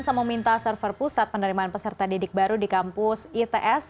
sama meminta server pusat penerimaan peserta didik baru di kampus its